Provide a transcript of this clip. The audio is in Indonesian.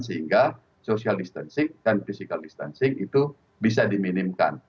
sehingga social distancing dan physical distancing itu bisa diminimkan